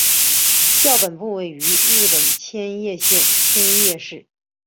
校本部位于日本千叶县千叶市。